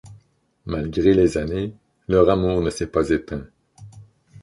Malgré les années, leur amour ne s'est pas éteint…